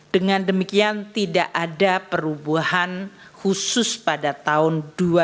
dengan demikian tidak ada perubahan khusus pada tahun dua ribu dua puluh